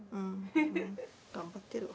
頑張っているわ。